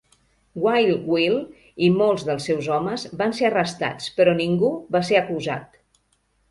Wild Bill i molts dels seus homes van ser arrestats, però ningú va ser acusat.